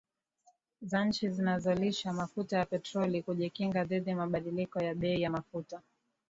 za nchi zinazolisha mafuta ya petroli Kujikinga dhidi mabadiliko ya bei ya mafuta